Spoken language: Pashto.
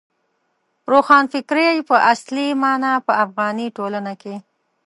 روښانفکرۍ په اصلي مانا په افغاني ټولنه کې.